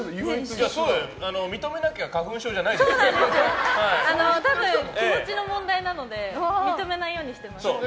認めなきゃ多分、気持ちの問題なので認めないようにしてます。